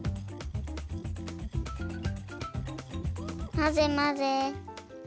まぜまぜ。